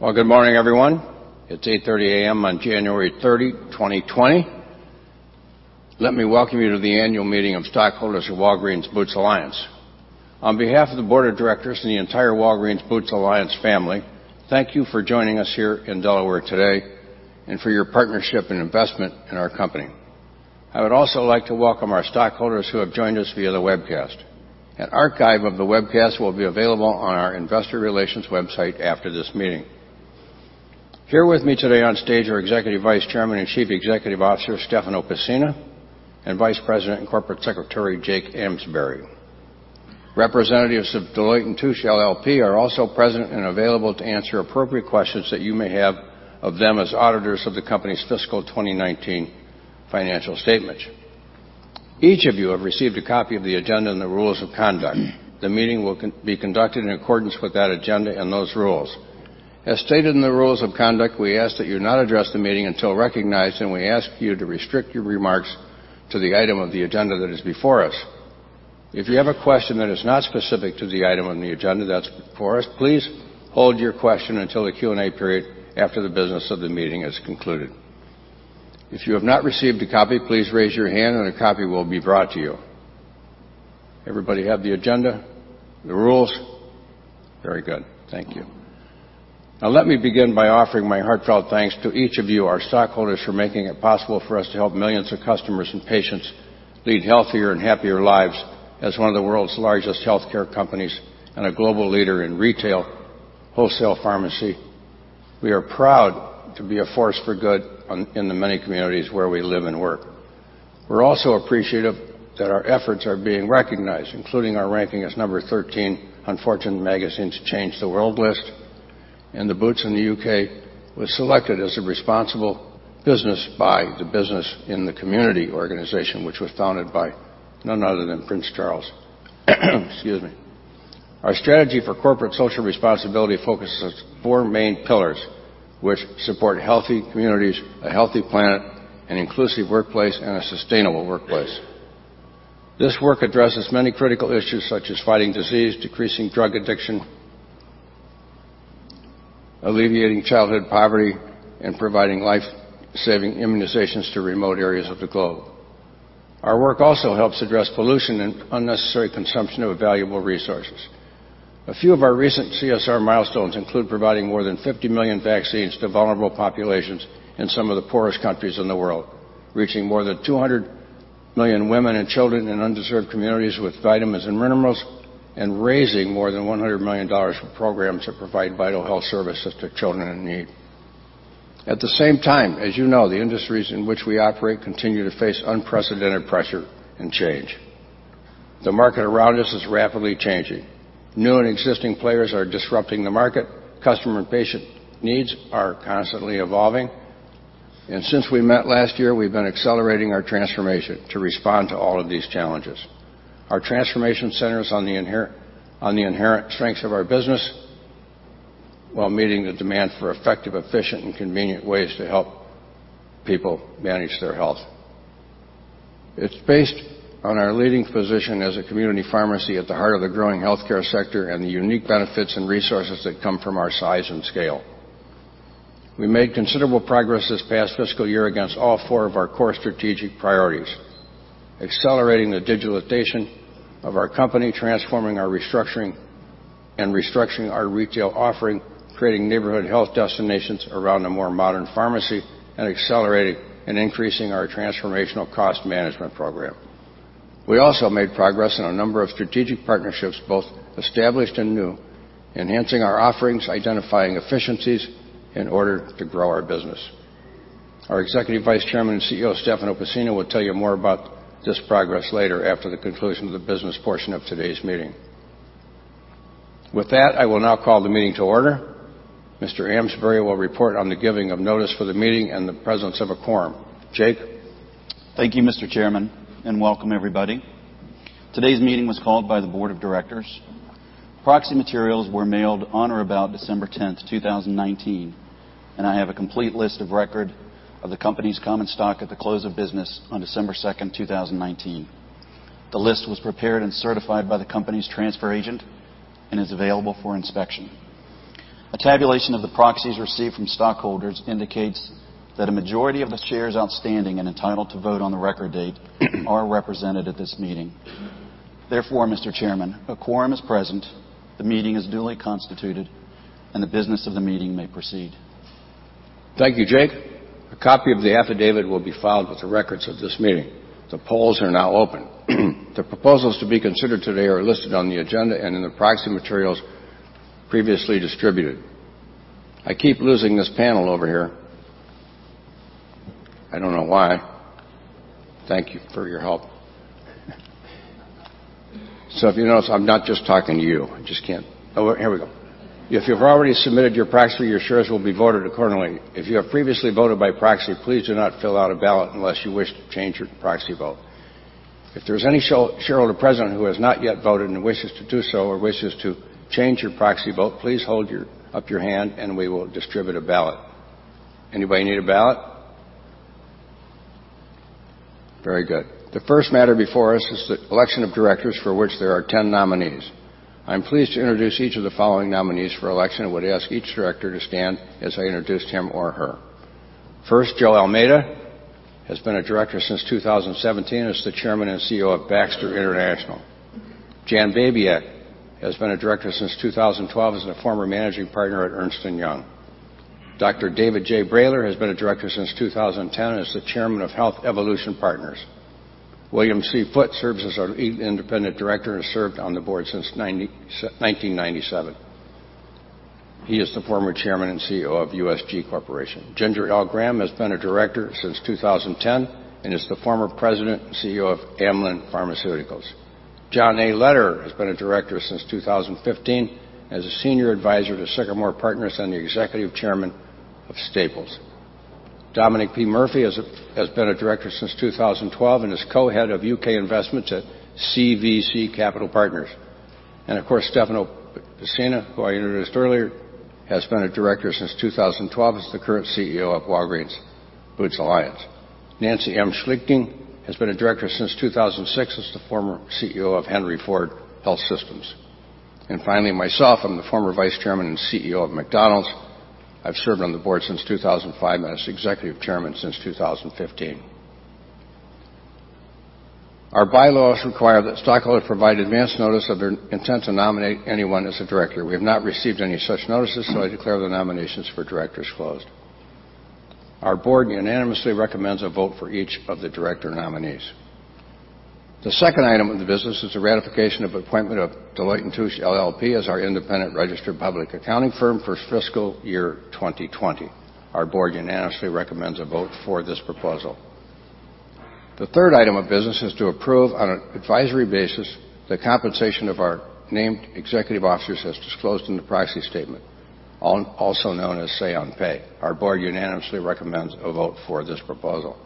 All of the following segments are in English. Well, good morning, everyone. It's 8:30 A.M. on January 30, 2020. Let me welcome you to the annual meeting of stockholders of Walgreens Boots Alliance. On behalf of the board of directors and the entire Walgreens Boots Alliance family, thank you for joining us here in Delaware today and for your partnership and investment in our company. I would also like to welcome our stockholders who have joined us via the webcast. An archive of the webcast will be available on our investor relations website after this meeting. Here with me today on stage are Executive Vice Chairman and Chief Executive Officer Stefano Pessina, and Vice President and Corporate Secretary Jake Amsbary. Representatives of Deloitte & Touche LLP are also present and available to answer appropriate questions that you may have of them as auditors of the company's fiscal 2019 financial statements. Each of you have received a copy of the agenda and the rules of conduct. The meeting will be conducted in accordance with that agenda and those rules. As stated in the rules of conduct, we ask that you not address the meeting until recognized, and we ask you to restrict your remarks to the item of the agenda that is before us. If you have a question that is not specific to the item on the agenda that's before us, please hold your question until the Q&A period after the business of the meeting has concluded. If you have not received a copy, please raise your hand and a copy will be brought to you. Everybody have the agenda, the rules? Very good. Thank you. Now let me begin by offering my heartfelt thanks to each of you, our stockholders, for making it possible for us to help millions of customers and patients lead healthier and happier lives as one of the world's largest healthcare companies and a global leader in retail wholesale pharmacy. We are proud to be a force for good in the many communities where we live and work. We're also appreciative that our efforts are being recognized, including our ranking as number 13 on Fortune Magazine's Change the World list, and the Boots in the U.K. was selected as a responsible business by the Business in the Community organization, which was founded by none other than Prince Charles. Excuse me. Our strategy for corporate social responsibility focuses on four main pillars, which support healthy communities, a healthy planet, an inclusive workplace, and a sustainable workplace. This work addresses many critical issues such as fighting disease, decreasing drug addiction, alleviating childhood poverty, and providing life-saving immunizations to remote areas of the globe. Our work also helps address pollution and unnecessary consumption of valuable resources. A few of our recent CSR milestones include providing more than 50 million vaccines to vulnerable populations in some of the poorest countries in the world, reaching more than 200 million women and children in underserved communities with vitamins and minerals, and raising more than $100 million for programs that provide vital health services to children in need. At the same time, as you know, the industries in which we operate continue to face unprecedented pressure and change. The market around us is rapidly changing. New and existing players are disrupting the market. Customer and patient needs are constantly evolving. Since we met last year, we've been accelerating our transformation to respond to all of these challenges. Our transformation centers on the inherent strengths of our business while meeting the demand for effective, efficient, and convenient ways to help people manage their health. It's based on our leading position as a community pharmacy at the heart of the growing healthcare sector and the unique benefits and resources that come from our size and scale. We made considerable progress this past fiscal year against all four of our core strategic priorities: accelerating the digitalization of our company, transforming our restructuring, and restructuring our retail offering, creating neighborhood health destinations around a more modern pharmacy, and accelerating and increasing our transformational cost management program. We also made progress on a number of strategic partnerships, both established and new, enhancing our offerings, identifying efficiencies in order to grow our business. Our Executive Vice Chairman and CEO, Stefano Pessina, will tell you more about this progress later after the conclusion of the business portion of today's meeting. With that, I will now call the meeting to order. Mr. Amsbary will report on the giving of notice for the meeting and the presence of a quorum. Jake? Thank you, Mr. Chairman, and welcome everybody. Today's meeting was called by the board of directors. Proxy materials were mailed on or about December 10th, 2019, and I have a complete list of record of the company's common stock at the close of business on December 2nd, 2019. The list was prepared and certified by the company's transfer agent and is available for inspection. A tabulation of the proxies received from stockholders indicates that a majority of the shares outstanding and entitled to vote on the record date are represented at this meeting. Therefore, Mr. Chairman, a quorum is present, the meeting is duly constituted, and the business of the meeting may proceed. Thank you, Jake. A copy of the affidavit will be filed with the records of this meeting. The polls are now open. The proposals to be considered today are listed on the agenda and in the proxy materials previously distributed. I keep losing this panel over here. I don't know why. Thank you for your help. If you notice, I'm not just talking to you. I just can't. Oh, here we go. If you've already submitted your proxy, your shares will be voted accordingly. If you have previously voted by proxy, please do not fill out a ballot unless you wish to change your proxy vote. If there's any shareholder present who has not yet voted and wishes to do so or wishes to change your proxy vote, please hold up your hand, and we will distribute a ballot. Anybody need a ballot? Very good. The first matter before us is the election of directors for which there are 10 nominees. I'm pleased to introduce each of the following nominees for election and would ask each director to stand as I introduce him or her. First, Joe Almeida has been a director since 2017 and is the Chairman and CEO of Baxter International. Jan Babiak has been a director since 2012 as a former managing partner at Ernst & Young. Dr. David J. Brailer has been a director since 2010 and is the Chairman of Health Evolution Partners. William C. Foote serves as our independent director and has served on the board since 1997. He is the former Chairman and CEO of USG Corporation. Ginger L. Graham has been a director since 2010 and is the former President and CEO of Amylin Pharmaceuticals. John A. Lederer has been a director since 2015 as a senior advisor to Sycamore Partners and the executive chairman of Staples. Dominic P. Murphy has been a director since 2012 and is co-head of U.K. investments at CVC Capital Partners. Of course, Stefano Pessina, who I introduced earlier, has been a director since 2012 as the current CEO of Walgreens Boots Alliance. Nancy M. Schlichting has been a director since 2006 as the former CEO of Henry Ford Health System. Finally, myself, I'm the former vice chairman and CEO of McDonald's. I've served on the board since 2005 and as executive chairman since 2015. Our bylaws require that stockholders provide advance notice of their intent to nominate anyone as a director. We have not received any such notices, I declare the nominations for directors closed. Our board unanimously recommends a vote for each of the director nominees. The second item of the business is the ratification of appointment of Deloitte & Touche LLP as our independent registered public accounting firm for fiscal year 2020. Our board unanimously recommends a vote for this proposal. The third item of business is to approve on an advisory basis the compensation of our named executive officers as disclosed in the proxy statement, also known as Say on Pay. Our board unanimously recommends a vote for this proposal.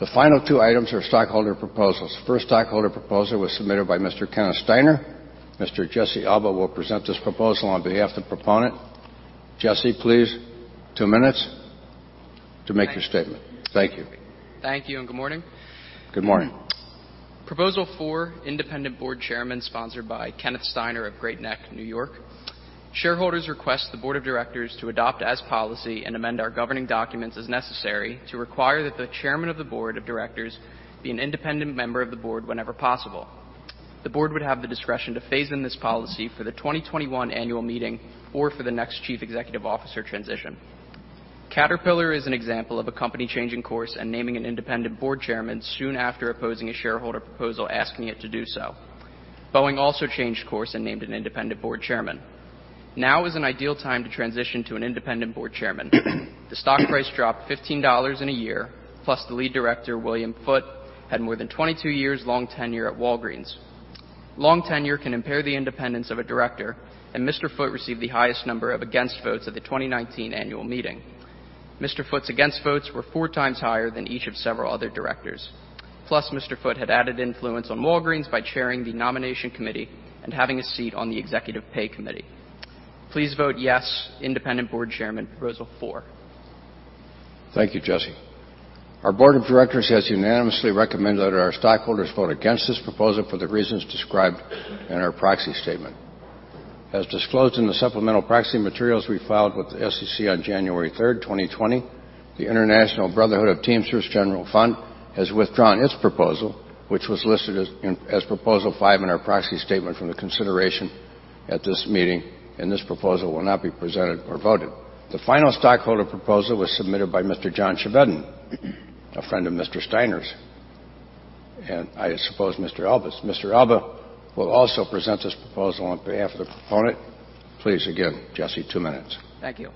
The final two items are stockholder proposals. The first stockholder proposal was submitted by Mr. Kenneth Steiner. Mr. Jesse Alba will present this proposal on behalf of the proponent. Jesse, please, two minutes to make your statement. Thank you. Thank you, and good morning. Good morning. Proposal four, independent board chairman, sponsored by Kenneth Steiner of Great Neck, New York. Shareholders request the board of directors to adopt as policy and amend our governing documents as necessary to require that the chairman of the board of directors be an independent member of the board whenever possible. The board would have the discretion to phase in this policy for the 2021 annual meeting or for the next chief executive officer transition. Caterpillar is an example of a company changing course and naming an independent board chairman soon after opposing a shareholder proposal asking it to do so. Boeing also changed course and named an independent board chairman. Now is an ideal time to transition to an independent board chairman. The stock price dropped $15 in a year, plus the lead director, William Foote, had more than 22 years long tenure at Walgreens. Long tenure can impair the independence of a director. Mr. Foote received the highest number of against votes at the 2019 annual meeting. Mr. Foote's against votes were four times higher than each of several other directors. Mr. Foote had added influence on Walgreens by chairing the nomination committee and having a seat on the executive pay committee. Please vote yes, independent board chairman, proposal four. Thank you, Jesse. Our board of directors has unanimously recommended that our stockholders vote against this proposal for the reasons described in our proxy statement. As disclosed in the supplemental proxy materials we filed with the SEC on January 3rd, 2020, the International Brotherhood of Teamsters General Fund has withdrawn its proposal, which was listed as proposal five in our proxy statement from the consideration at this meeting, and this proposal will not be presented or voted. The final stockholder proposal was submitted by Mr. John Chevedden, a friend of Mr. Steiner's, and I suppose Mr. Alba's. Mr. Alba will also present this proposal on behalf of the proponent. Please, again, Jesse, two minutes. Thank you.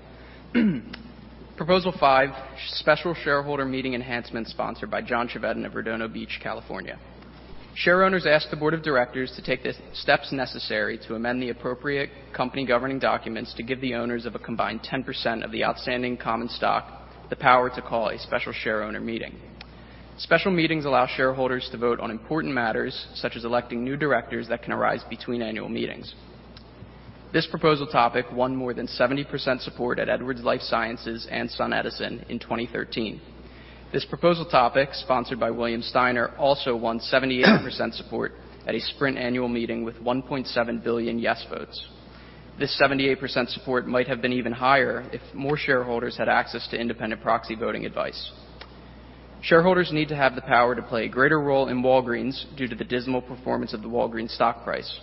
Proposal five, special shareholder meeting enhancement sponsored by John Chevedden of Redondo Beach, California. Shareowners ask the board of directors to take the steps necessary to amend the appropriate company governing documents to give the owners of a combined 10% of the outstanding common stock the power to call a special shareowner meeting. Special meetings allow shareholders to vote on important matters, such as electing new directors that can arise between annual meetings. This proposal topic won more than 70% support at Edwards Lifesciences and SunEdison in 2013. This proposal topic, sponsored by William Steiner, also won 78% support at a Sprint annual meeting with 1.7 billion yes votes. This 78% support might have been even higher if more shareholders had access to independent proxy voting advice. Shareholders need to have the power to play a greater role in Walgreens due to the dismal performance of the Walgreens stock price.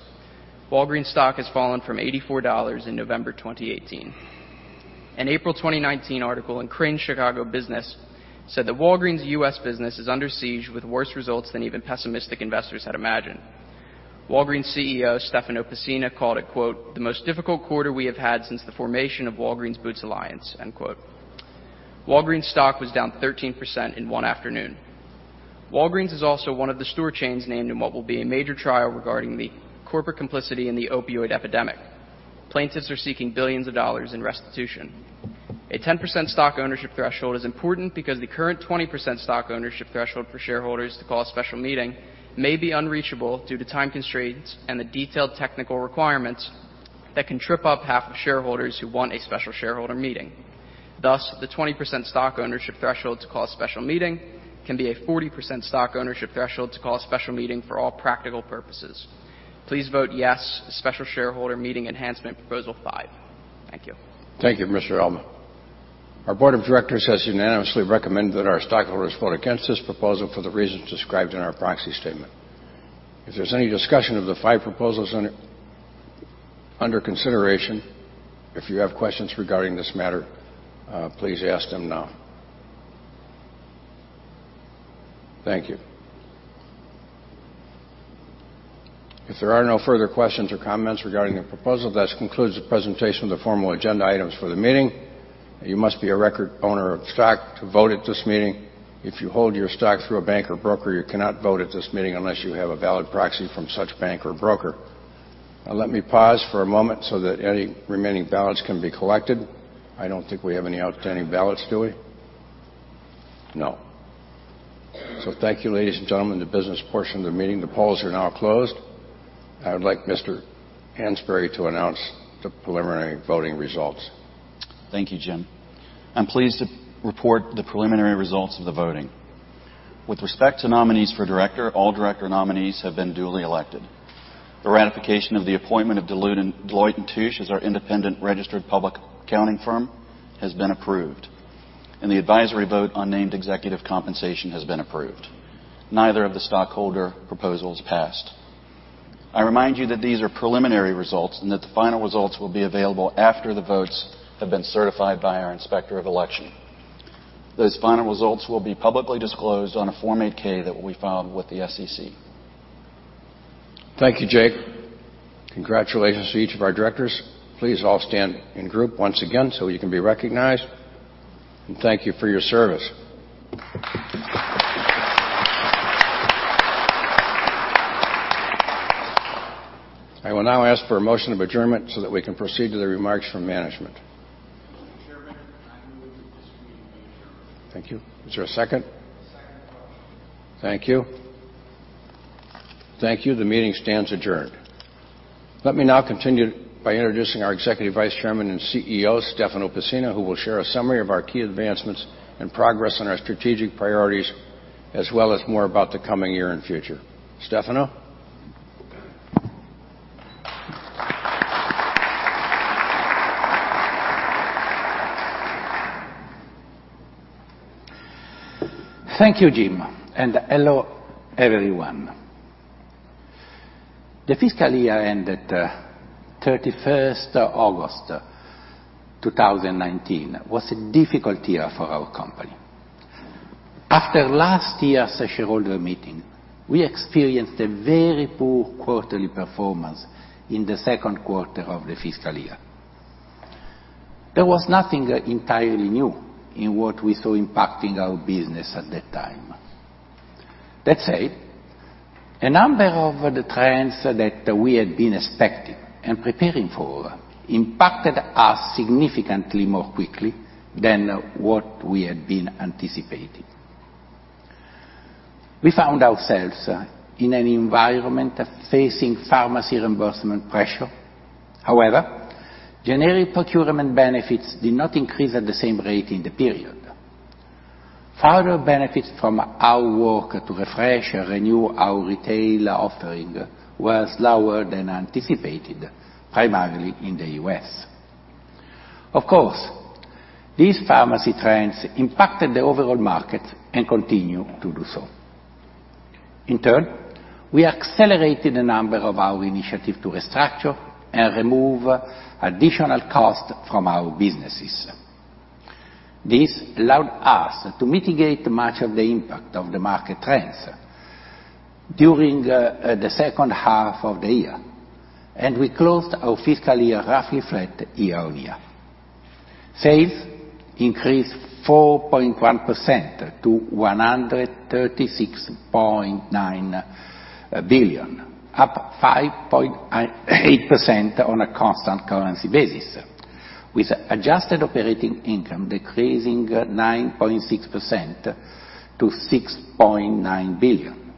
Walgreens stock has fallen from $84 in November 2018. An April 2019 article in Crain's Chicago Business said that Walgreens' U.S. business is under siege with worse results than even pessimistic investors had imagined. Walgreens CEO Stefano Pessina called it, quote, "The most difficult quarter we have had since the formation of Walgreens Boots Alliance." End quote. Walgreens' stock was down 13% in one afternoon. Walgreens is also one of the store chains named in what will be a major trial regarding the corporate complicity in the opioid epidemic. Plaintiffs are seeking billions of dollars in restitution. A 10% stock ownership threshold is important because the current 20% stock ownership threshold for shareholders to call a special meeting may be unreachable due to time constraints and the detailed technical requirements. That can trip up half of shareholders who want a special shareholder meeting. Thus, the 20% stock ownership threshold to call a special meeting can be a 40% stock ownership threshold to call a special meeting for all practical purposes. Please vote yes, special shareholder meeting enhancement proposal five. Thank you. Thank you, Mr. Alba. Our board of directors has unanimously recommended that our stockholders vote against this proposal for the reasons described in our proxy statement. If there's any discussion of the five proposals under consideration, if you have questions regarding this matter, please ask them now. Thank you. If there are no further questions or comments regarding the proposal, this concludes the presentation of the formal agenda items for the meeting. You must be a record owner of stock to vote at this meeting. If you hold your stock through a bank or broker, you cannot vote at this meeting unless you have a valid proxy from such bank or broker. Let me pause for a moment so that any remaining ballots can be collected. I don't think we have any outstanding ballots, do we? No. Thank you, ladies and gentlemen. The business portion of the meeting, the polls are now closed. I would like Mr. Amsbary to announce the preliminary voting results. Thank you, Jim. I'm pleased to report the preliminary results of the voting. With respect to nominees for director, all director nominees have been duly elected. The ratification of the appointment of Deloitte & Touche as our independent registered public accounting firm has been approved, and the advisory vote on named executive compensation has been approved. Neither of the stockholder proposals passed. I remind you that these are preliminary results, and that the final results will be available after the votes have been certified by our Inspector of Election. Those final results will be publicly disclosed on a Form 8-K that will be filed with the SEC. Thank you, Jake. Congratulations to each of our directors. Please all stand in group once again so you can be recognized, and thank you for your service. I will now ask for a motion of adjournment so that we can proceed to the remarks from management. Mr. Chairman, I move that this meeting be adjourned. Thank you. Is there a second? Second the motion. Thank you. Thank you. The meeting stands adjourned. Let me now continue by introducing our Executive Vice Chairman and CEO, Stefano Pessina, who will share a summary of our key advancements and progress on our strategic priorities, as well as more about the coming year and future. Stefano? Thank you, Jim, and hello, everyone. The fiscal year ended 31st August 2019 was a difficult year for our company. After last year's shareholder meeting, we experienced a very poor quarterly performance in the second quarter of the fiscal year. There was nothing entirely new in what we saw impacting our business at that time. That said, a number of the trends that we had been expecting and preparing for impacted us significantly more quickly than what we had been anticipating. We found ourselves in an environment facing pharmacy reimbursement pressure. However, generic procurement benefits did not increase at the same rate in the period. Further benefits from our work to refresh and renew our retail offering were slower than anticipated, primarily in the U.S. Of course, these pharmacy trends impacted the overall market and continue to do so. In turn, we accelerated a number of our initiatives to restructure and remove additional costs from our businesses. This allowed us to mitigate much of the impact of the market trends during the second half of the year, and we closed our fiscal year roughly flat year-on-year. Sales increased 4.1% to $136.9 billion, up 5.8% on a constant currency basis. With adjusted operating income decreasing 9.6% to $6.9 billion,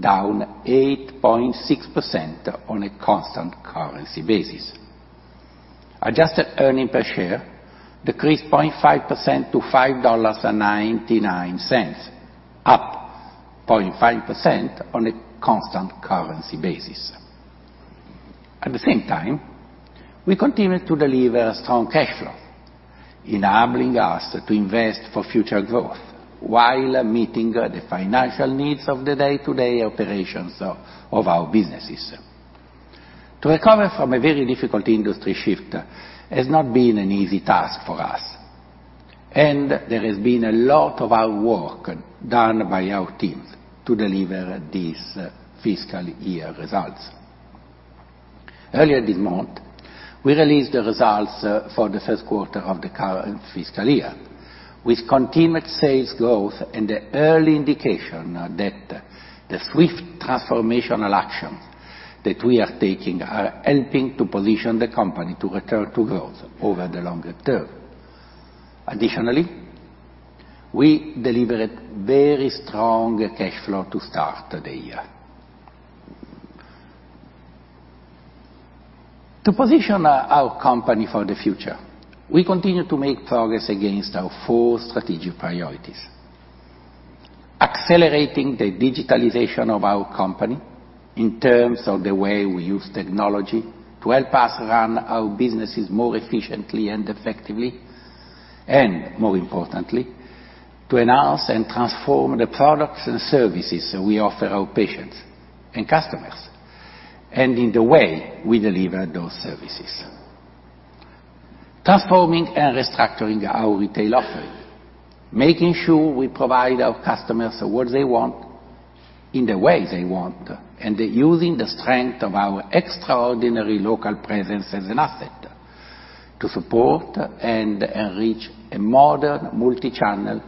down 8.6% on a constant currency basis. Adjusted earnings per share decreased 0.5% to $5.99, up 0.5% on a constant currency basis. At the same time, we continued to deliver strong cash flow, enabling us to invest for future growth while meeting the financial needs of the day-to-day operations of our businesses. To recover from a very difficult industry shift has not been an easy task for us, and there has been a lot of our work done by our teams to deliver these fiscal year results. Earlier this month, we released the results for the first quarter of the current fiscal year with continued sales growth and the early indication that the swift transformational action that we are taking are helping to position the company to return to growth over the longer term. Additionally, we delivered very strong cash flow to start the year. To position our company for the future, we continue to make progress against our four strategic priorities. Accelerating the digitalization of our company in terms of the way we use technology to help us run our businesses more efficiently and effectively, and more importantly, to enhance and transform the products and services we offer our patients and customers, and in the way we deliver those services. Transforming and restructuring our retail offering, making sure we provide our customers what they want in the way they want, and using the strength of our extraordinary local presence as an asset to support and enrich a modern, multi-channel,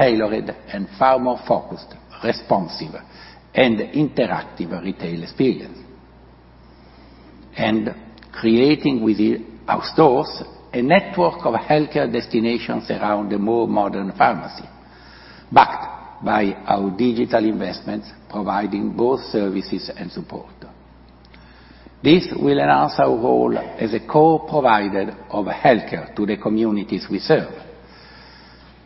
tailored, and far more focused, responsive, and interactive retail experience. Creating with our stores a network of healthcare destinations around the more modern pharmacy, backed by our digital investments providing both services and support. This will enhance our role as a core provider of healthcare to the communities we serve,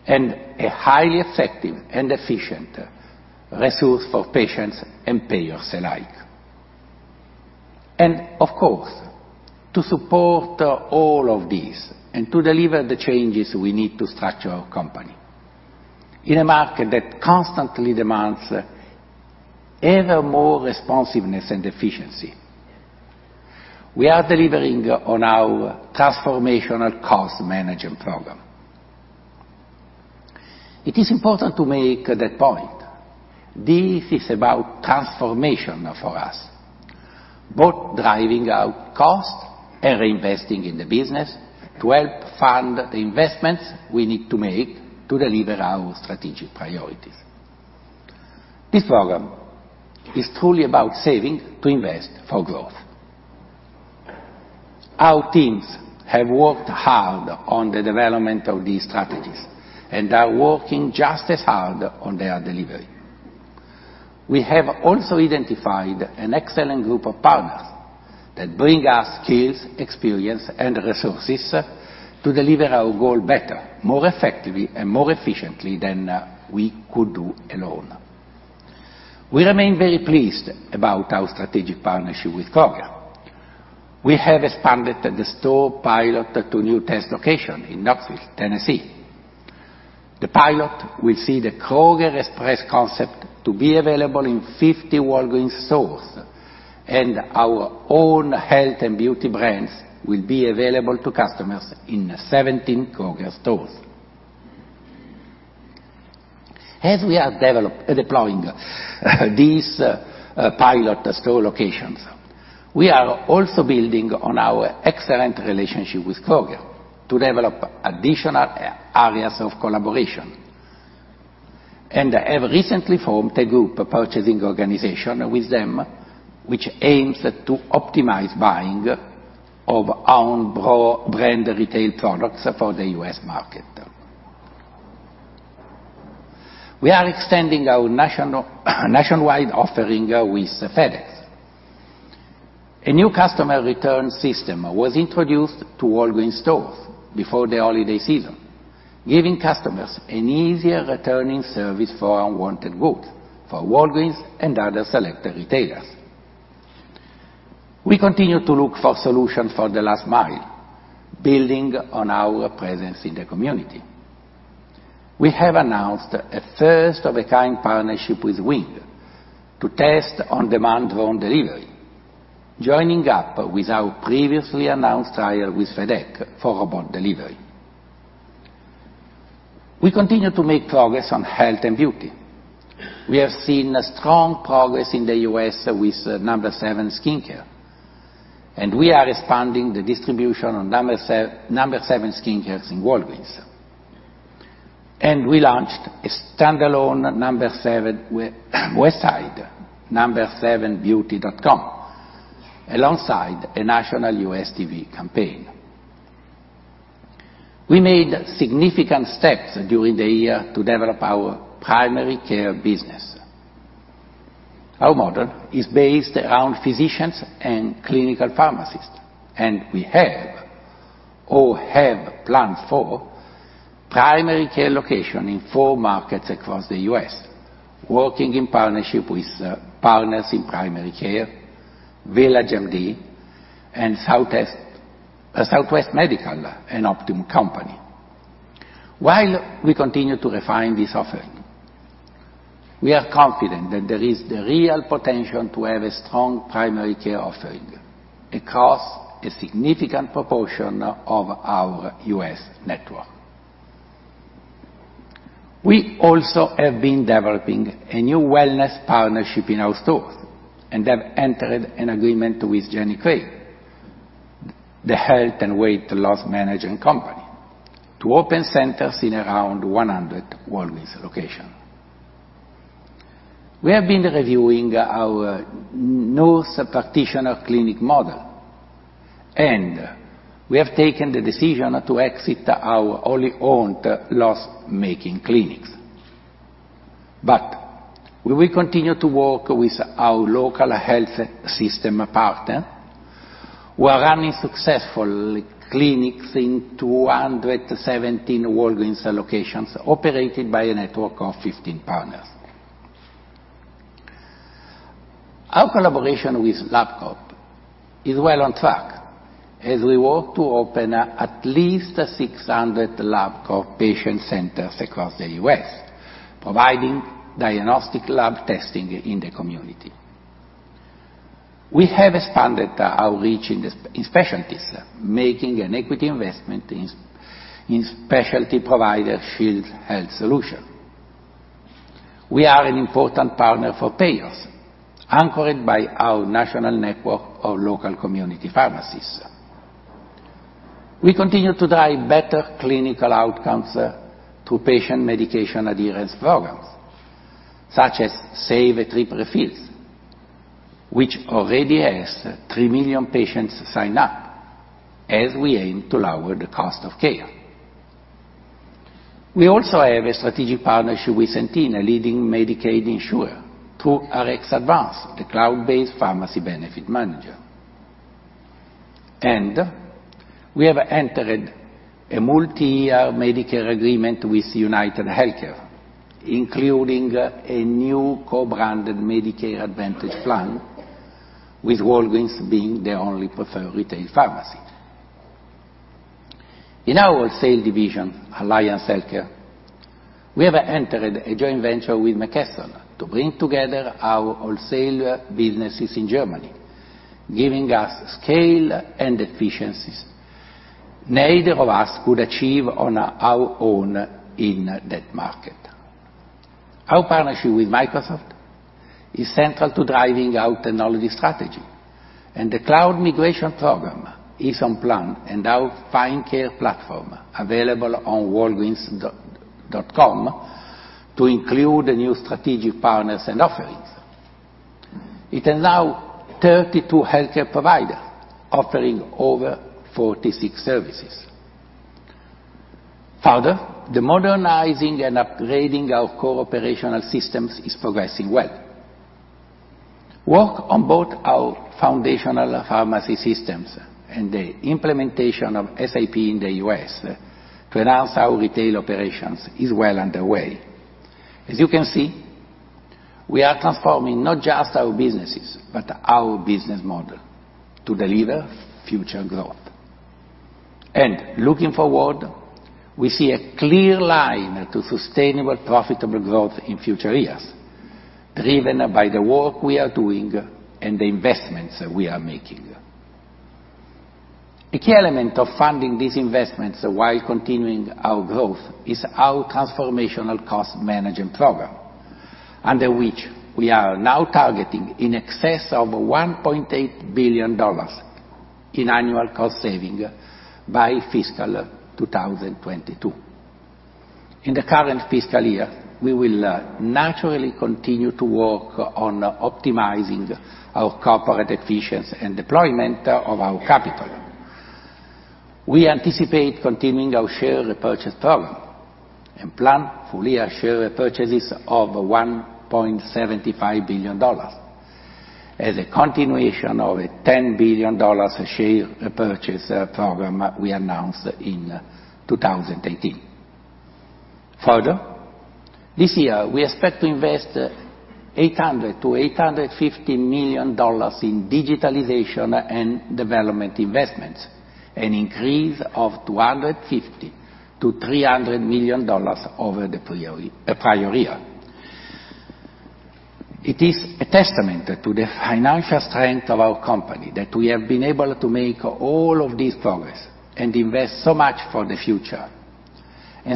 and a highly effective and efficient resource for patients and payers alike. Of course, to support all of this and to deliver the changes we need to structure our company in a market that constantly demands ever more responsiveness and efficiency, we are delivering on our transformational cost management program. It is important to make that point. This is about transformation for us, both driving our costs and reinvesting in the business to help fund the investments we need to make to deliver our strategic priorities. This program is truly about saving to invest for growth. Our teams have worked hard on the development of these strategies and are working just as hard on their delivery. We have also identified an excellent group of partners that bring us skills, experience, and resources to deliver our goal better, more effectively, and more efficiently than we could do alone. We remain very pleased about our strategic partnership with Kroger. We have expanded the store pilot to a new test location in Knoxville, Tennessee. The pilot will see the Kroger Express concept to be available in 50 Walgreens stores, and our own health and beauty brands will be available to customers in 17 Kroger stores. As we are deploying these pilot store locations, we are also building on our excellent relationship with Kroger to develop additional areas of collaboration, and have recently formed a group purchasing organization with them, which aims to optimize buying of own brand retail products for the U.S. market. We are extending our nationwide offering with FedEx. A new customer return system was introduced to Walgreens stores before the holiday season, giving customers an easier returning service for unwanted goods for Walgreens and other selected retailers. We continue to look for solutions for the last mile, building on our presence in the community. We have announced a first-of-a-kind partnership with Wing to test on-demand drone delivery, joining up with our previously announced trial with FedEx for robot delivery. We continue to make progress on health and beauty. We have seen strong progress in the US with No7 Skincare, and we are expanding the distribution of No7 Skincare in Walgreens. We launched a standalone No7 website, no7beauty.com, alongside a national US TV campaign. We made significant steps during the year to develop our primary care business. Our model is based around physicians and clinical pharmacists, and we have or have planned for primary care location in four markets across the U.S., working in partnership with partners in primary care, VillageMD, and Southwest Medical, an Optum company. While we continue to refine this offering, we are confident that there is the real potential to have a strong primary care offering across a significant proportion of our U.S. network. We also have been developing a new wellness partnership in our stores and have entered an agreement with Jenny Craig, the health and weight loss management company, to open centers in around 100 Walgreens locations. We have been reviewing our nurse practitioner clinic model, and we have taken the decision to exit our only owned loss-making clinics. We will continue to work with our local health system partner. We are running successful clinics in 217 Walgreens locations operated by a network of 15 partners. Our collaboration with LabCorp is well on track as we work to open at least 600 LabCorp patient centers across the U.S., providing diagnostic lab testing in the community. We have expanded our reach in specialties, making an equity investment in specialty provider Shields Health Solutions. We are an important partner for payers, anchored by our national network of local community pharmacists. We continue to drive better clinical outcomes through patient medication adherence programs, such as Save a Trip Refills, which already has 3 million patients signed up, as we aim to lower the cost of care. We also have a strategic partnership with Centene, a leading Medicaid insurer, through RxAdvance, the cloud-based pharmacy benefit manager. We have entered a multi-year Medicare agreement with UnitedHealthcare, including a new co-branded Medicare Advantage plan, with Walgreens being their only preferred retail pharmacy. In our wholesale division, Alliance Healthcare, we have entered a joint venture with McKesson to bring together our wholesale businesses in Germany, giving us scale and efficiencies neither of us could achieve on our own in that market. Our partnership with Microsoft is central to driving our technology strategy, and the cloud migration program is on plan and our Find Care platform available on walgreens.com to include new strategic partners and offerings. It has now 32 healthcare providers offering over 46 services. Further, the modernizing and upgrading our core operational systems is progressing well. Work on both our foundational pharmacy systems and the implementation of SAP in the U.S. to enhance our retail operations is well underway. As you can see, we are transforming not just our businesses, but our business model to deliver future growth. Looking forward, we see a clear line to sustainable, profitable growth in future years, driven by the work we are doing and the investments we are making. A key element of funding these investments while continuing our growth is our transformational cost management program, under which we are now targeting in excess of $1.8 billion in annual cost saving by fiscal 2022. In the current fiscal year, we will naturally continue to work on optimizing our corporate efficiency and deployment of our capital. We anticipate continuing our share repurchase program and plan full-year share repurchases of $1.75 billion as a continuation of a $10 billion share repurchase program we announced in 2018. This year, we expect to invest $800 million-$850 million in digitalization and development investments, an increase of $250 million-$300 million over the prior year. It is a testament to the financial strength of our company that we have been able to make all of this progress and invest so much for the future,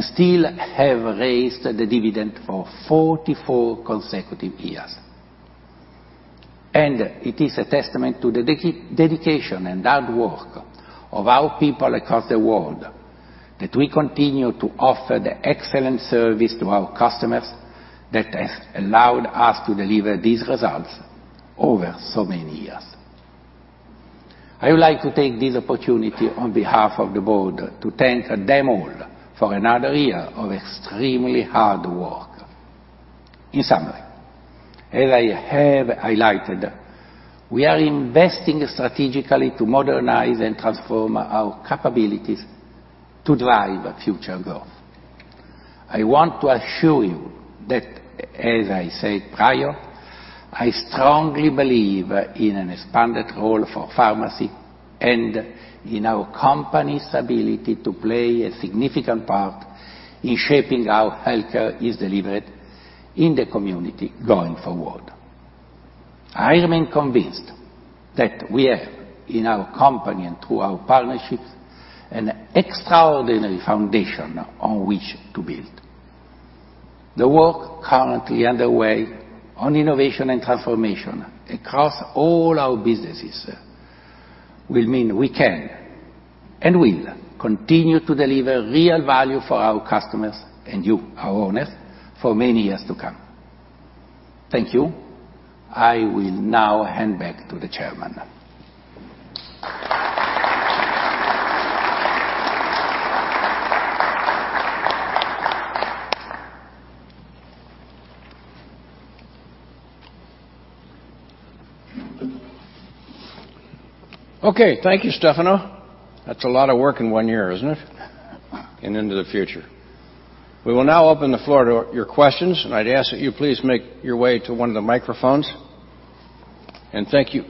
still have raised the dividend for 44 consecutive years. It is a testament to the dedication and hard work of our people across the world that we continue to offer the excellent service to our customers that has allowed us to deliver these results over so many years. I would like to take this opportunity on behalf of the board to thank them all for another year of extremely hard work. In summary, as I have highlighted, we are investing strategically to modernize and transform our capabilities to drive future growth. I want to assure you that, as I said prior, I strongly believe in an expanded role for pharmacy and in our company's ability to play a significant part in shaping how healthcare is delivered in the community going forward. I remain convinced that we have, in our company and through our partnerships, an extraordinary foundation on which to build. The work currently underway on innovation and transformation across all our businesses will mean we can, and will, continue to deliver real value for our customers, and you, our owners, for many years to come. Thank you. I will now hand back to the chairman. Okay. Thank you, Stefano. That's a lot of work in one year, isn't it? Into the future. We will now open the floor to your questions, and I'd ask that you please make your way to one of the microphones. Thank you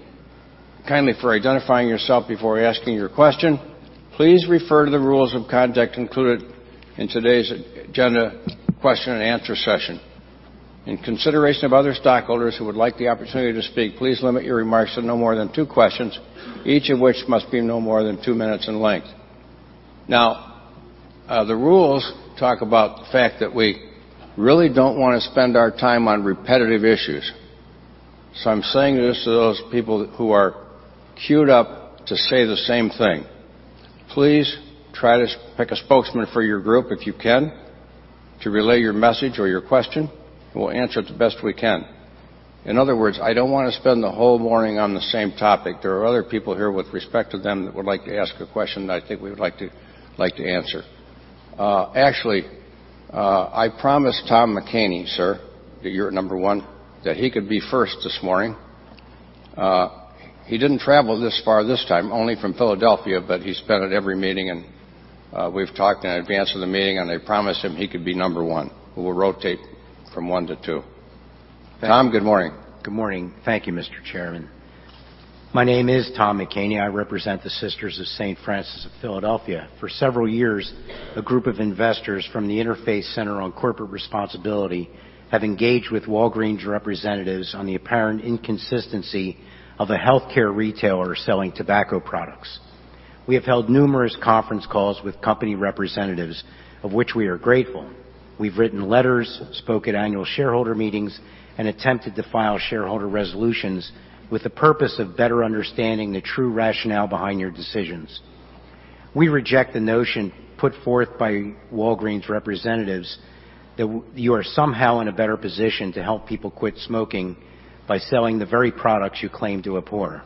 kindly for identifying yourself before asking your question. Please refer to the rules of conduct included in today's agenda question-and-answer session. In consideration of other stockholders who would like the opportunity to speak, please limit your remarks to no more than two questions, each of which must be no more than two minutes in length. Now, the rules talk about the fact that we really don't want to spend our time on repetitive issues. I'm saying this to those people who are queued up to say the same thing. Please try to pick a spokesman for your group, if you can, to relay your message or your question, and we'll answer it the best we can. In other words, I don't want to spend the whole morning on the same topic. There are other people here with respect to them that would like to ask a question that I think we would like to answer. Actually, I promised Tom McCaney, sir, you're at number one, that he could be first this morning. He didn't travel this far this time, only from Philadelphia, but he's been at every meeting and we've talked in advance of the meeting, and I promised him he could be number one. We will rotate from one to two. Tom, good morning. Good morning. Thank you, Mr. Chairman. My name is Tom McCaney. I represent the Sisters of St. Francis of Philadelphia. For several years, a group of investors from the Interfaith Center on Corporate Responsibility have engaged with Walgreens representatives on the apparent inconsistency of a healthcare retailer selling tobacco products. We have held numerous conference calls with company representatives, of which we are grateful. We've written letters, spoke at annual shareholder meetings, and attempted to file shareholder resolutions with the purpose of better understanding the true rationale behind your decisions. We reject the notion put forth by Walgreens representatives that you are somehow in a better position to help people quit smoking by selling the very products you claim to abhor.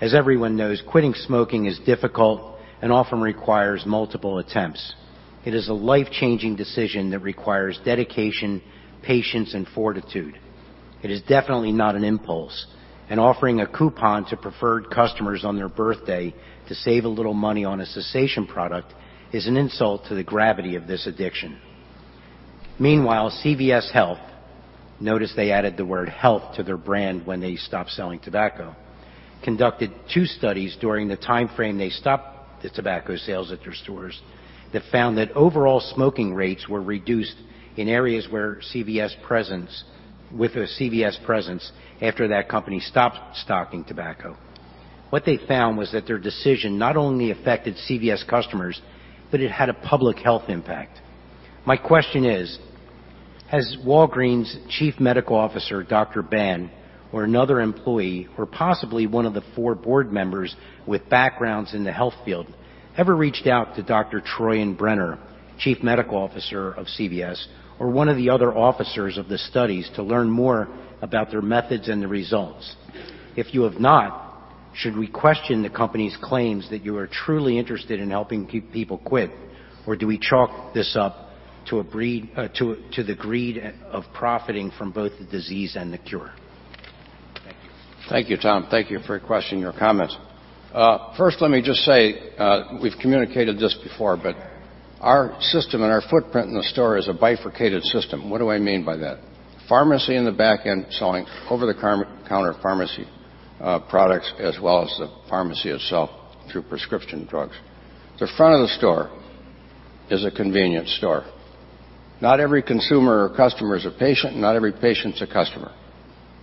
As everyone knows, quitting smoking is difficult and often requires multiple attempts. It is a life-changing decision that requires dedication, patience, and fortitude. It is definitely not an impulse, offering a coupon to preferred customers on their birthday to save a little money on a cessation product is an insult to the gravity of this addiction. Meanwhile, CVS Health, notice they added the word health to their brand when they stopped selling tobacco, conducted two studies during the timeframe they stopped the tobacco sales at their stores that found that overall smoking rates were reduced in areas with a CVS presence after that company stopped stocking tobacco. What they found was that their decision not only affected CVS customers, but it had a public health impact. My question is, has Walgreens Chief Medical Officer, Dr. Ban, or another employee, or possibly one of the four board members with backgrounds in the health field, ever reached out to Dr. Troyen Brennan, Chief Medical Officer of CVS, or one of the other officers of the studies to learn more about their methods and the results? If you have not, should we question the company's claims that you are truly interested in helping people quit, or do we chalk this up to the greed of profiting from both the disease and the cure? Thank you. Thank you, Tom. Thank you for your question and your comments. First, let me just say, we've communicated this before. Our system and our footprint in the store is a bifurcated system. What do I mean by that? Pharmacy in the back end selling over-the-counter pharmacy products as well as the pharmacy itself through prescription drugs. The front of the store is a convenience store. Not every consumer or customer is a patient, and not every patient's a customer.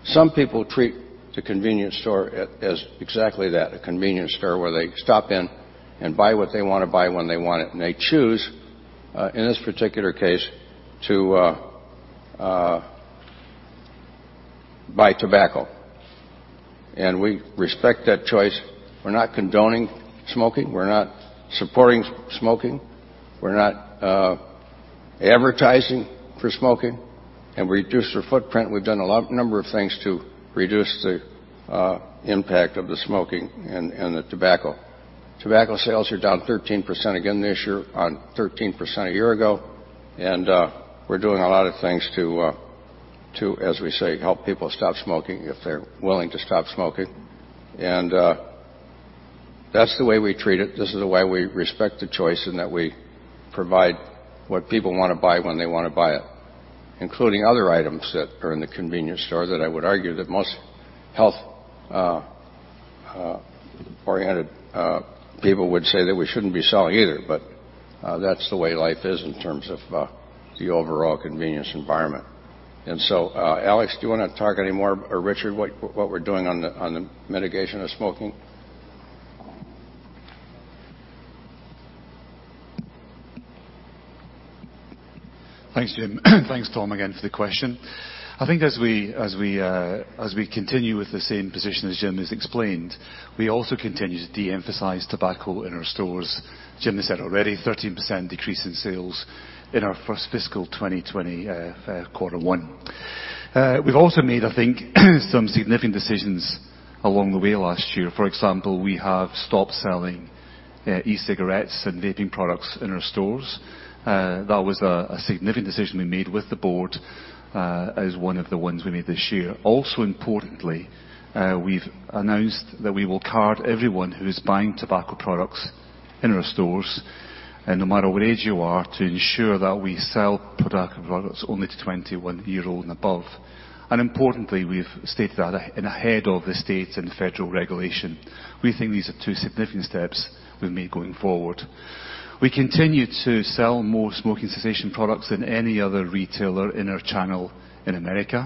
Some people treat the convenience store as exactly that, a convenience store where they stop in and buy what they want to buy when they want it, and they choose, in this particular case, to buy tobacco. We respect that choice. We're not condoning smoking. We're not supporting smoking. We're not advertising for smoking, and we reduced our footprint. We've done a number of things to reduce the impact of the smoking and the tobacco. Tobacco sales are down 13% again this year on 13% a year ago. We're doing a lot of things to, as we say, help people stop smoking if they're willing to stop smoking. That's the way we treat it. This is the way we respect the choice and that we provide what people want to buy when they want to buy it, including other items that are in the convenience store that I would argue that most health-oriented people would say that we shouldn't be selling either. That's the way life is in terms of the overall convenience environment. Alex, do you want to talk anymore, or Richard, what we're doing on the mitigation of smoking? Thanks, Jim. Thanks, Tom, again for the question. I think as we continue with the same position as Jim has explained, we also continue to de-emphasize tobacco in our stores. Jim has said already, 13% decrease in sales in our first fiscal 2020 quarter one. We've also made, I think, some significant decisions along the way last year. For example, we have stopped selling e-cigarettes and vaping products in our stores. That was a significant decision we made with the board as one of the ones we made this year. Also importantly, we've announced that we will card everyone who is buying tobacco products in our stores, no matter what age you are, to ensure that we sell tobacco products only to 21-year-old and above. Importantly, we've stated that ahead of the state and federal regulation. We think these are two significant steps we've made going forward. We continue to sell more smoking cessation products than any other retailer in our channel in America.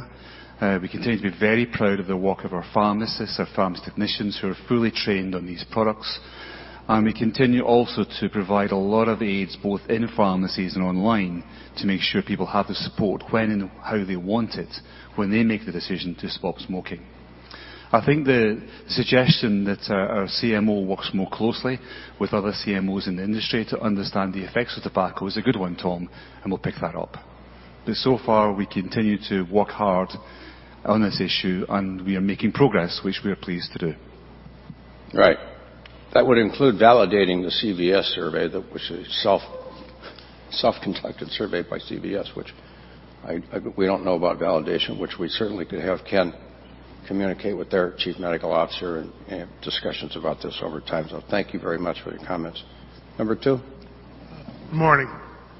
We continue to be very proud of the work of our pharmacists, our pharmacist technicians who are fully trained on these products. We continue also to provide a lot of aids, both in pharmacies and online, to make sure people have the support when and how they want it when they make the decision to stop smoking. I think the suggestion that our CMO works more closely with other CMOs in the industry to understand the effects of tobacco is a good one, Tom, and we'll pick that up. So far, we continue to work hard on this issue, and we are making progress, which we are pleased to do. Right. That would include validating the CVS survey, which is a self-conducted survey by CVS. We don't know about validation, which we certainly could have Ken communicate with their chief medical officer and have discussions about this over time. Thank you very much for your comments. Number two? Good morning.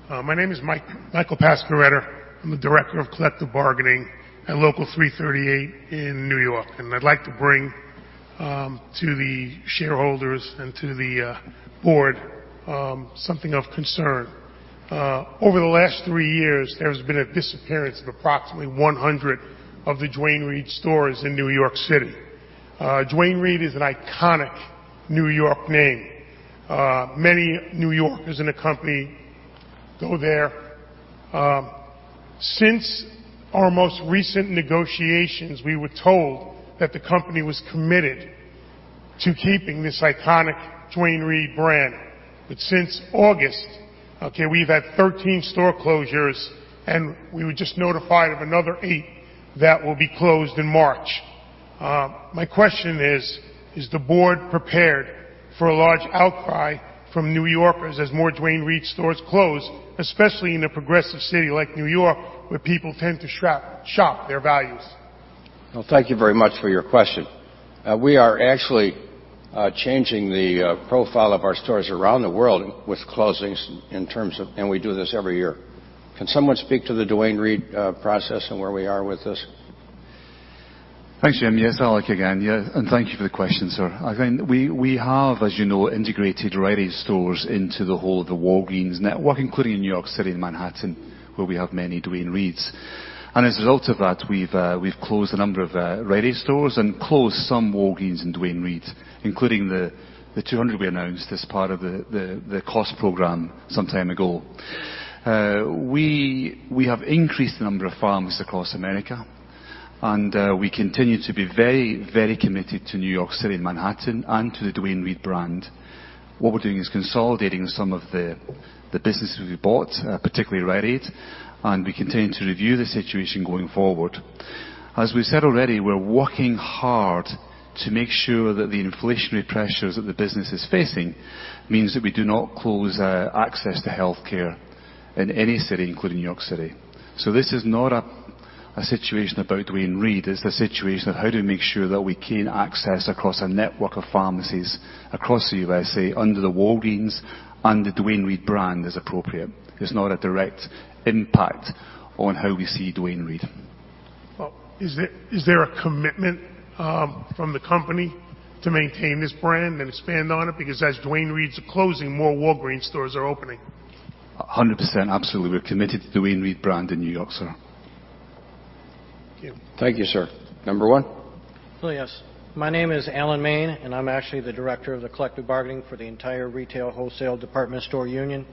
My name is Michael Pasquaretta. I'm the director of collective bargaining at Local 338 in New York. I'd like to bring to the shareholders and to the board something of concern. Over the last three years, there has been a disappearance of approximately 100 of the Duane Reade stores in New York City. Duane Reade is an iconic New York name. Many New Yorkers in the company go there. Since our most recent negotiations, we were told that the company was committed to keeping this iconic Duane Reade brand. Since August, we've had 13 store closures, and we were just notified of another eight that will be closed in March. My question is the board prepared for a large outcry from New Yorkers as more Duane Reade stores close, especially in a progressive city like New York, where people tend to shop their values? Well, thank you very much for your question. We are actually changing the profile of our stores around the world with closings. We do this every year. Can someone speak to the Duane Reade process and where we are with this? Thanks, Jim. Yes, Alex again. Thank you for the question, sir. I think we have, as you know, integrated Rite Aid stores into the whole of the Walgreens network, including in New York City and Manhattan, where we have many Duane Reades. As a result of that, we've closed a number of Rite Aid stores and closed some Walgreens and Duane Reades, including the 200 we announced as part of the cost program some time ago. We have increased the number of pharmacies across America, and we continue to be very, very committed to New York City and Manhattan and to the Duane Reade brand. What we're doing is consolidating some of the businesses we bought, particularly Rite Aid, and we continue to review the situation going forward. As we've said already, we're working hard to make sure that the inflationary pressures that the business is facing means that we do not close access to healthcare in any city, including New York City. This is not a situation about Duane Reade. It's the situation of how to make sure that we gain access across a network of pharmacies across the USA under the Walgreens and the Duane Reade brand as appropriate. It's not a direct impact on how we see Duane Reade. Well, is there a commitment from the company to maintain this brand and expand on it? Because as Duane Reades are closing, more Walgreens stores are opening. 100%, absolutely. We're committed to the Duane Reade brand in New York, sir. Thank you. Thank you, sir. Number 1? Hello, yes. My name is Alan Maine, and I'm actually the director of the collective bargaining for the entire Retail, Wholesale and Department Store Union.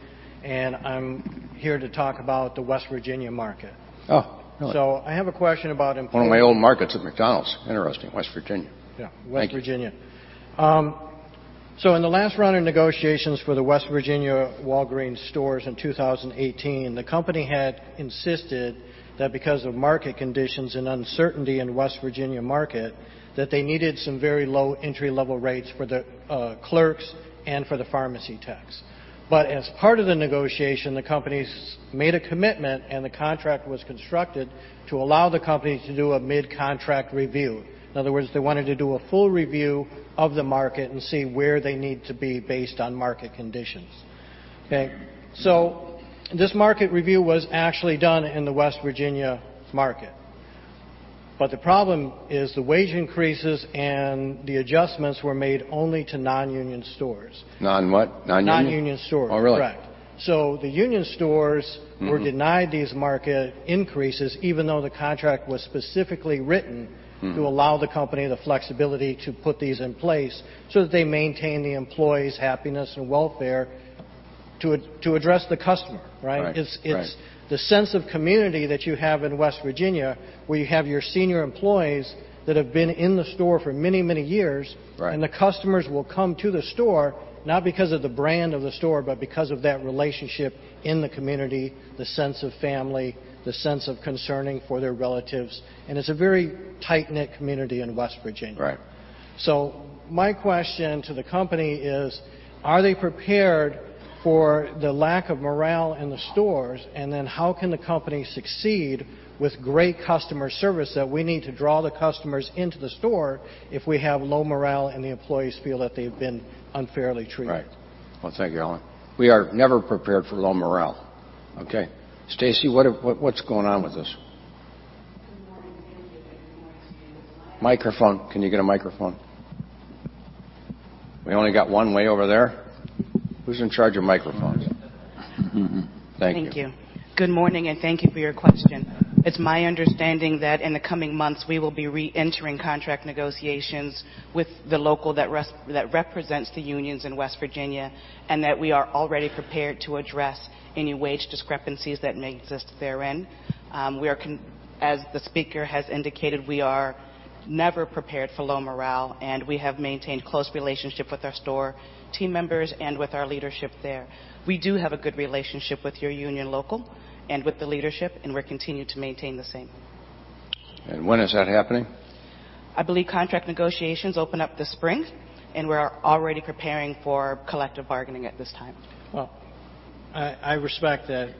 I'm here to talk about the West Virginia market. Oh, really? I have a question about. One of my old markets at McDonald's. Interesting, West Virginia. Yeah, West Virginia. Thank you. In the last round of negotiations for the West Virginia Walgreens stores in 2018, the company had insisted that because of market conditions and uncertainty in West Virginia market, that they needed some very low entry-level rates for the clerks and for the pharmacy techs. As part of the negotiation, the companies made a commitment, and the contract was constructed to allow the companies to do a mid-contract review. In other words, they wanted to do a full review of the market and see where they need to be based on market conditions. Okay. This market review was actually done in the West Virginia market. The problem is the wage increases and the adjustments were made only to non-union stores. Non what? Non-union? Non-union stores. Oh, really? Correct. the union stores were denied these market increases, even though the contract was specifically written to allow the company the flexibility to put these in place so that they maintain the employees' happiness and welfare. To address the customer, right? Right. It's the sense of community that you have in West Virginia, where you have your senior employees that have been in the store for many, many years. Right. The customers will come to the store, not because of the brand of the store, but because of that relationship in the community, the sense of family, the sense of concerning for their relatives, and it's a very tight-knit community in West Virginia. Right. My question to the company is, are they prepared for the lack of morale in the stores? How can the company succeed with great customer service that we need to draw the customers into the store if we have low morale and the employees feel that they've been unfairly treated? Right. Well, thank you, Alan. We are never prepared for low morale. Okay. Stacy, what's going on with this? Microphone. Can you get a microphone? We only got one way over there. Who's in charge of microphones? Thank you. Thank you. Good morning, and thank you for your question. It's my understanding that in the coming months, we will be re-entering contract negotiations with the local that represents the unions in West Virginia, and that we are already prepared to address any wage discrepancies that may exist therein. As the speaker has indicated, we are never prepared for low morale, and we have maintained close relationship with our store team members and with our leadership there. We do have a good relationship with your union local and with the leadership, and we're continued to maintain the same. When is that happening? I believe contract negotiations open up this spring, and we're already preparing for collective bargaining at this time. Well, I respect that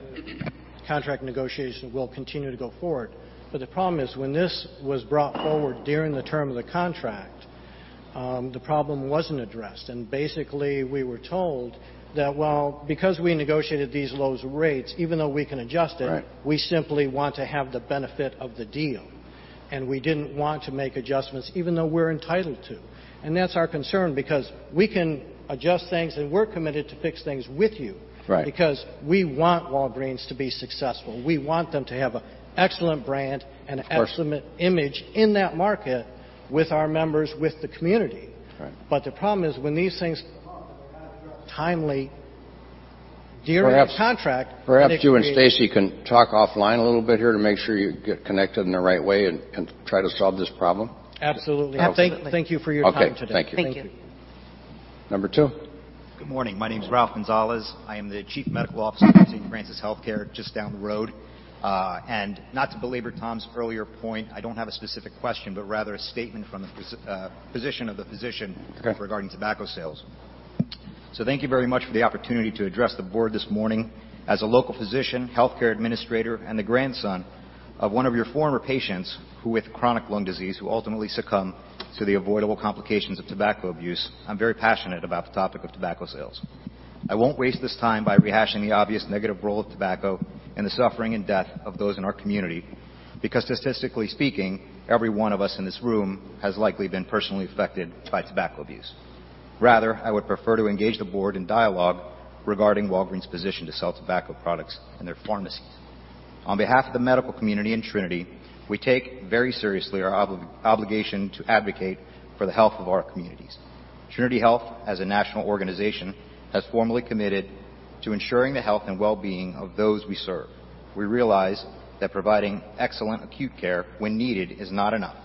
contract negotiation will continue to go forward. The problem is when this was brought forward during the term of the contract, the problem wasn't addressed. Basically, we were told that because we negotiated these low rates, even though we can adjust it. Right We simply want to have the benefit of the deal. We didn't want to make adjustments even though we're entitled to. That's our concern because we can adjust things, and we're committed to fix things with you. Right We want Walgreens to be successful. We want them to have an excellent brand. Of course. excellent image in that market with our members, with the community. Right. The problem is when these things come up and they're not addressed timely during the contract. Perhaps you and Stacy can talk offline a little bit here to make sure you get connected in the right way and try to solve this problem. Absolutely. Absolutely. Thank you for your time today. Okay. Thank you. Thank you. Number two. Good morning. My name is Ralph Gonzalez. I am the Chief Medical Officer of St. Francis Healthcare just down the road. Not to belabor Tom's earlier point, I don't have a specific question, but rather a statement from the position of the physician. Okay regarding tobacco sales. Thank you very much for the opportunity to address the board this morning. As a local physician, healthcare administrator, and the grandson of one of your former patients with chronic lung disease who ultimately succumbed to the avoidable complications of tobacco abuse, I'm very passionate about the topic of tobacco sales. I won't waste this time by rehashing the obvious negative role of tobacco and the suffering and death of those in our community because statistically speaking, every one of us in this room has likely been personally affected by tobacco abuse. Rather, I would prefer to engage the board in dialogue regarding Walgreens' position to sell tobacco products in their pharmacy. On behalf of the medical community in Trinity, we take very seriously our obligation to advocate for the health of our communities. Trinity Health, as a national organization, has formally committed to ensuring the health and well-being of those we serve. We realize that providing excellent acute care when needed is not enough.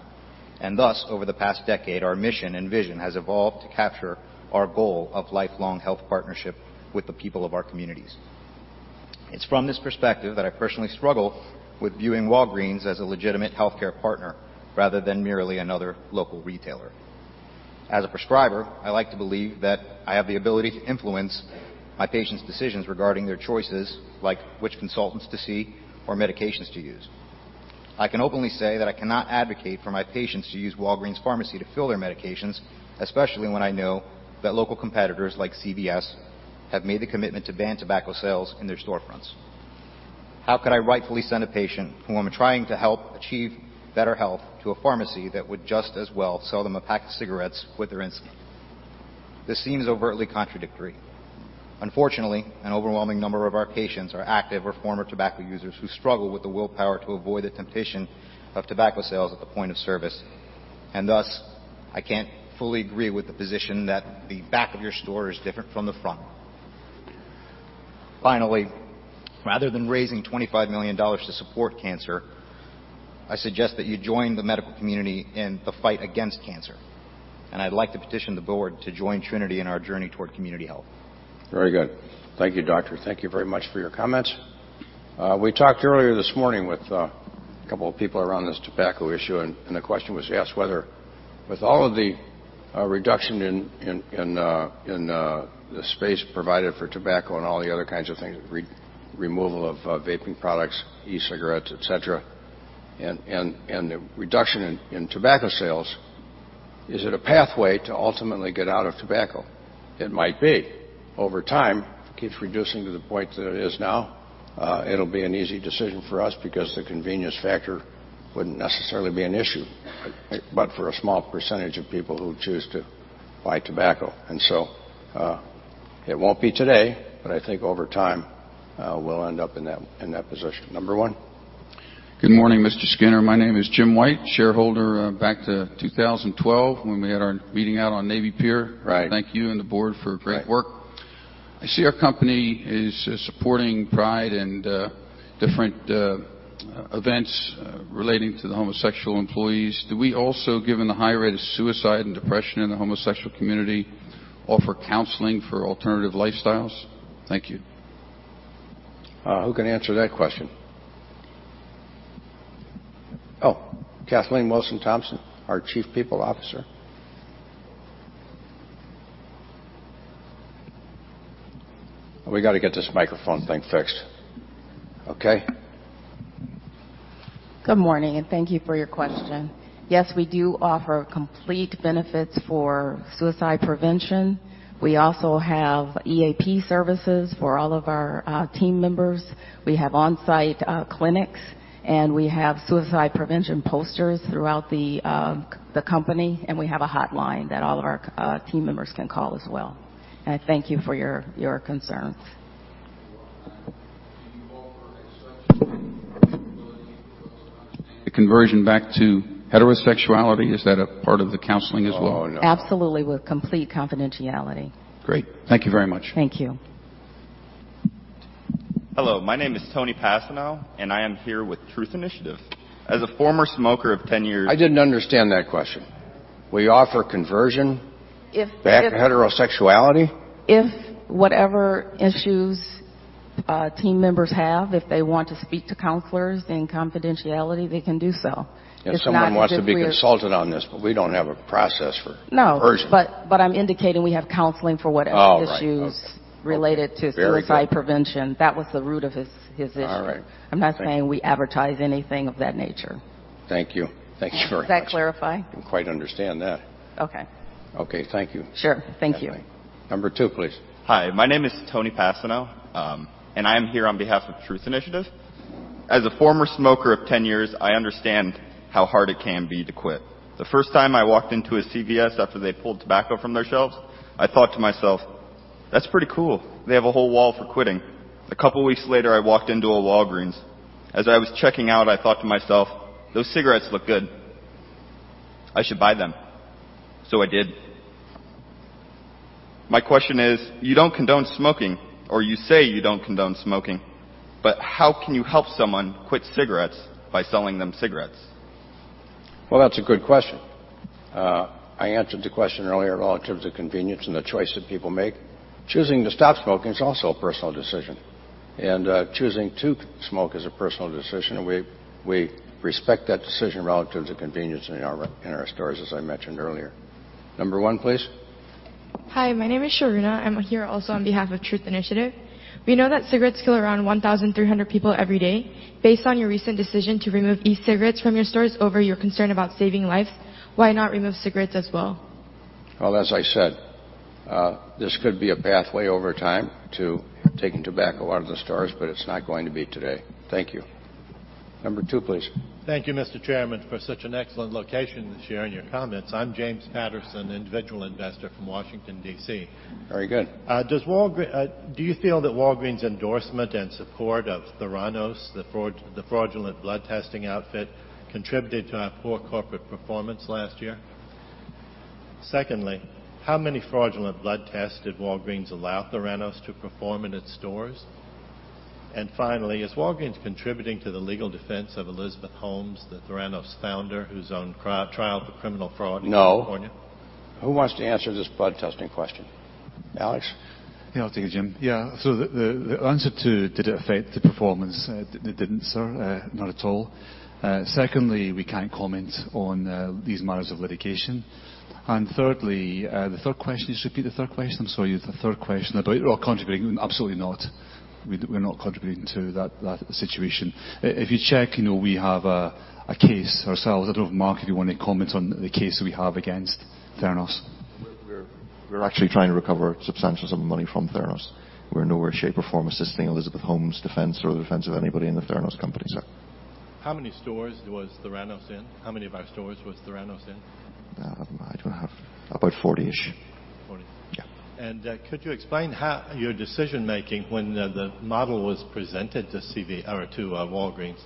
Thus, over the past decade, our mission and vision has evolved to capture our goal of lifelong health partnership with the people of our communities. It's from this perspective that I personally struggle with viewing Walgreens as a legitimate healthcare partner rather than merely another local retailer. As a prescriber, I like to believe that I have the ability to influence my patients' decisions regarding their choices, like which consultants to see or medications to use. I can openly say that I cannot advocate for my patients to use Walgreens Pharmacy to fill their medications, especially when I know that local competitors like CVS have made the commitment to ban tobacco sales in their storefronts. How could I rightfully send a patient whom I'm trying to help achieve better health to a pharmacy that would just as well sell them a pack of cigarettes with their insulin? This seems overtly contradictory. Unfortunately, an overwhelming number of our patients are active or former tobacco users who struggle with the willpower to avoid the temptation of tobacco sales at the point of service. Thus, I can't fully agree with the position that the back of your store is different from the front. Finally, rather than raising $25 million to support cancer, I suggest that you join the medical community in the fight against cancer, and I'd like to petition the board to join Trinity in our journey toward community health. Very good. Thank you, Doctor. Thank you very much for your comments. We talked earlier this morning with a couple of people around this tobacco issue. The question was asked whether with all of the reduction in the space provided for tobacco and all the other kinds of things, removal of vaping products, e-cigarettes, et cetera, and the reduction in tobacco sales, is it a pathway to ultimately get out of tobacco? It might be. Over time, if it keeps reducing to the point that it is now, it'll be an easy decision for us because the convenience factor wouldn't necessarily be an issue but for a small percentage of people who choose to buy tobacco. It won't be today, but I think over time, we'll end up in that position. Number one? Good morning, Mr. Skinner. My name is Jim White, shareholder back to 2012 when we had our meeting out on Navy Pier. Right. Thank you and the board for great work. I see our company is supporting Pride and different events relating to the homosexual employees. Do we also, given the high rate of suicide and depression in the homosexual community, offer counseling for alternative lifestyles? Thank you. Who can answer that question? Oh, Kathleen Wilson-Thompson, our chief people officer. We got to get this microphone thing fixed. Okay. Good morning. Thank you for your question. Yes, we do offer complete benefits for suicide prevention. We also have EAP services for all of our team members. We have on-site clinics. We have suicide prevention posters throughout the company. We have a hotline that all of our team members can call as well. I thank you for your concerns. The conversion back to heterosexuality, is that a part of the counseling as well? Oh, no. Absolutely, with complete confidentiality. Great. Thank you very much. Thank you. Hello, my name is Tony Pasino, and I am here with Truth Initiative. As a former smoker of 10 years. I didn't understand that question. We offer conversion- If, if- back to heterosexuality? If whatever issues team members have, if they want to speak to counselors in confidentiality, they can do so. If someone wants to be consulted on this, but we don't have a process for conversion. No, I'm indicating we have counseling for whatever issues. Oh, right. Okay. related to suicide prevention. Very good. That was the root of his issue. All right. Thank you. I'm not saying we advertise anything of that nature. Thank you. Thank you very much. Does that clarify? I didn't quite understand that. Okay. Okay, thank you. Sure. Thank you. Kathleen. Number two, please. Hi, my name is Tony Pasino, and I am here on behalf of Truth Initiative. As a former smoker of 10 years, I understand how hard it can be to quit. The first time I walked into a CVS after they pulled tobacco from their shelves, I thought to myself, "That's pretty cool. They have a whole wall for quitting." A couple of weeks later, I walked into a Walgreens. As I was checking out, I thought to myself, "Those cigarettes look good. I should buy them." I did. My question is, you don't condone smoking, or you say you don't condone smoking, but how can you help someone quit cigarettes by selling them cigarettes? Well, that's a good question. I answered the question earlier relative to convenience and the choice that people make. Choosing to stop smoking is also a personal decision. Choosing to smoke is a personal decision, and we respect that decision relative to convenience in our stores, as I mentioned earlier. Number one, please. Hi, my name is Sharuna. I'm here also on behalf of Truth Initiative. We know that cigarettes kill around 1,300 people every day. Based on your recent decision to remove e-cigarettes from your stores over your concern about saving lives, why not remove cigarettes as well? Well, as I said, this could be a pathway over time to taking tobacco out of the stores. It's not going to be today. Thank you. Number two, please. Thank you, Mr. Chairman, for such an excellent location to share in your comments. I'm James Patterson, individual investor from Washington, D.C. Very good. Do you feel that Walgreens' endorsement and support of Theranos, the fraudulent blood testing outfit, contributed to our poor corporate performance last year? Secondly, how many fraudulent blood tests did Walgreens allow Theranos to perform in its stores? Finally, is Walgreens contributing to the legal defense of Elizabeth Holmes, the Theranos founder who's on trial for criminal fraud in California? No. Who wants to answer this blood testing question? Alex? I'll take it, Jim. The answer to did it affect the performance, it didn't, sir. Not at all. Secondly, we can't comment on these matters of litigation. Thirdly, the third question, just repeat the third question. I'm sorry, the third question about contributing. Absolutely not. We're not contributing to that situation. If you check, we have a case ourselves. I don't know if, Mark, if you want to comment on the case we have against Theranos. We're actually trying to recover a substantial sum of money from Theranos. We're in no way, shape, or form assisting Elizabeth Holmes' defense or the defense of anybody in the Theranos company, sir. How many stores was Theranos in? How many of our stores was Theranos in? About 40-ish. 40? Yeah. Could you explain your decision-making when the model was presented to Walgreens?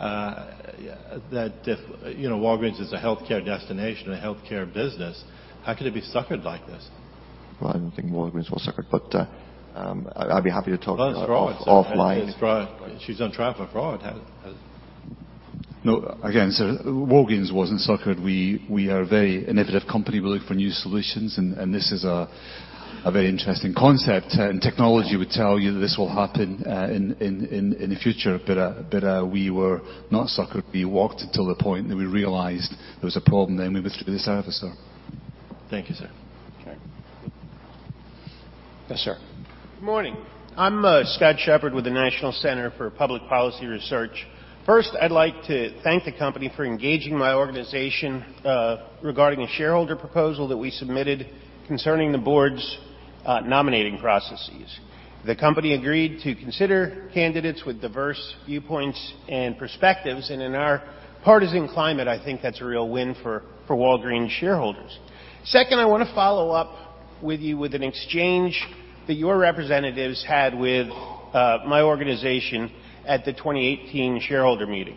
Walgreens is a healthcare destination, a healthcare business. How could it be suckered like this? Well, I don't think Walgreens was suckered, but I'd be happy to talk offline. Well, it's fraud, sir. She's on trial for fraud. No, again, sir, Walgreens wasn't suckered. We are a very innovative company. We look for new solutions, and this is a very interesting concept, and technology would tell you that this will happen in the future. We were not suckered. We walked until the point that we realized there was a problem. We withdrew the service, sir. Thank you, sir. Okay. Yes, sir. Good morning. I'm Scott Shepard with the National Center for Public Policy Research. First, I'd like to thank the company for engaging my organization regarding a shareholder proposal that we submitted concerning the board's nominating processes. The company agreed to consider candidates with diverse viewpoints and perspectives. In our partisan climate, I think that's a real win for Walgreens shareholders. I want to follow up with you with an exchange that your representatives had with my organization at the 2018 shareholder meeting.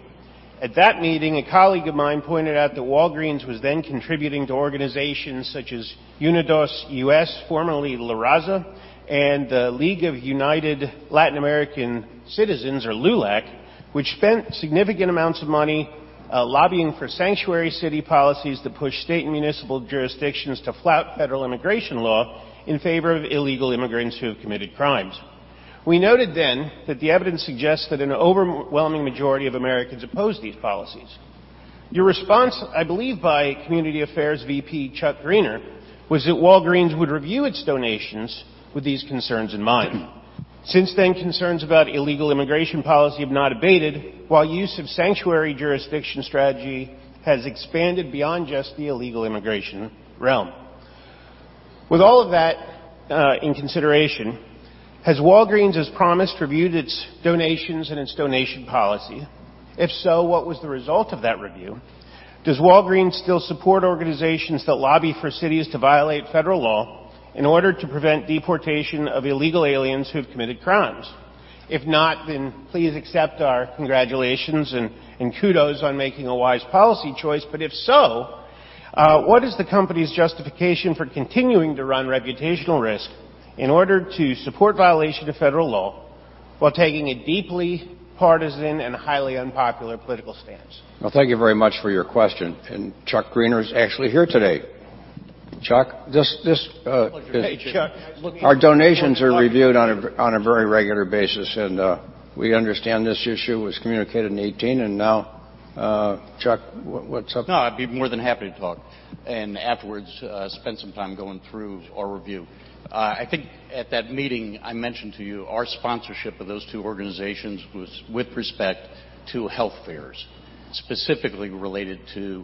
At that meeting, a colleague of mine pointed out that Walgreens was then contributing to organizations such as UnidosUS, formerly La Raza, and the League of United Latin American Citizens, or LULAC, which spent significant amounts of money lobbying for sanctuary city policies to push state and municipal jurisdictions to flout federal immigration law in favor of illegal immigrants who have committed crimes. We noted then that the evidence suggests that an overwhelming majority of Americans oppose these policies. Your response, I believe, by Community Affairs VP Chuck Greener, was that Walgreens would review its donations with these concerns in mind. Since then, concerns about illegal immigration policy have not abated, while use of sanctuary jurisdiction strategy has expanded beyond just the illegal immigration realm. With all of that in consideration, has Walgreens, as promised, reviewed its donations and its donation policy? If so, what was the result of that review? Does Walgreens still support organizations that lobby for cities to violate federal law in order to prevent deportation of illegal aliens who have committed crimes? If not, then please accept our congratulations and kudos on making a wise policy choice. If so, what is the company's justification for continuing to run reputational risk in order to support violation of federal law while taking a deeply partisan and highly unpopular political stance? Well, thank you very much for your question. Chuck Greener is actually here today. Chuck. Hey, Chuck. Our donations are reviewed on a very regular basis, and we understand this issue was communicated in 2018, and now, Chuck, what's up? I'd be more than happy to talk, and afterwards, spend some time going through our review. I think at that meeting, I mentioned to you our sponsorship of those two organizations was with respect to health fairs, specifically related to